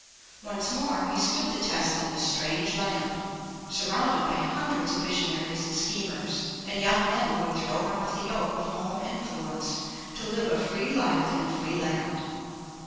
Once more he stood the test in a strange land, surrounded by hundreds of visionaries and schemers, and young men who had thrown off the yoke of home influence, to live a free life in a free land.